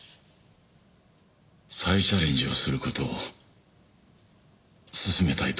再チャレンジをする事をすすめたいと思う。